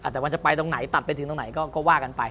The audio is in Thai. แต่มันจะไปตรงไหนตัดไปถึงตรงไหนก็ว่ากันไป